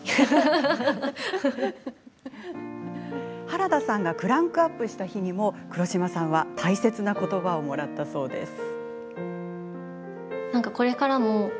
原田さんがクランクアップした日にも黒島さんは大切な言葉をもらったそうです。